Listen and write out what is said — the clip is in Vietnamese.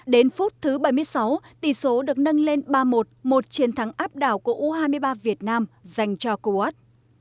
đến phút thứ bảy mươi sáu tỷ số được nâng lên ba một một chiến thắng áp đảo của u hai mươi ba việt nam dành cho kuat